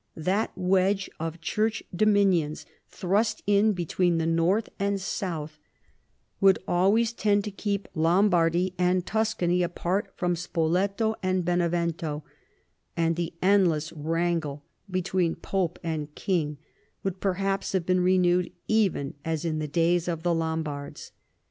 That wedge of Church Dominions thrust in between the north and south would always tend to keep Lombardy and Tuscany apart from Spoleto and Bene vento ; and the endless wrangle between Pope and King would perhaps have been renewed even as in the days of the Lombards.